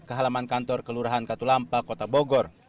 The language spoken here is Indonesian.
ke halaman kantor kelurahan katulampa kota bogor